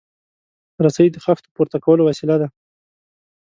رسۍ د خښتو پورته کولو وسیله ده.